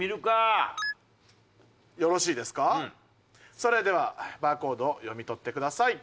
それではバーコードを読み取ってください。